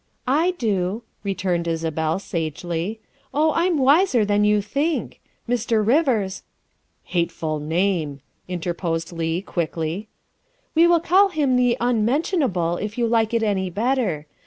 " I do," returned Isabel sagely. " Oh, I'm wiser than you think. Mr. Rivers "" Hateful name," interposed Leigh quickly. " We will call him the Unmentionable, if you like it any better.